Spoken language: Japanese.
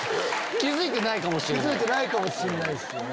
気付いてないかもしれないですよ。